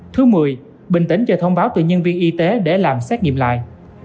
thứ một mươi bình tĩnh cho thông báo tùy nhân viên y tế để làm xét nghiệm lại